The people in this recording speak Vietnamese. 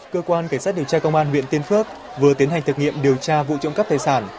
cơ quan cảnh sát điều tra công an huyện tiên phước vừa tiến hành thực nghiệm điều tra vụ trộm cắp tài sản